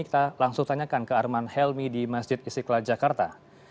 kita langsung tanyakan ke arman helmi di masjid istiqlal jakarta